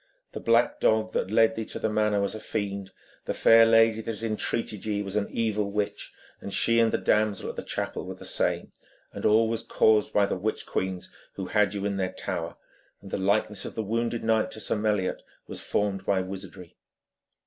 'The black dog that led thee to the manor was a fiend, the fair lady that entreated ye was an evil witch, and she and the damsel at the chapel were the same, and all was caused by the witch queens who had you in their tower; and the likeness of the wounded knight to Sir Meliot was formed by wizardry.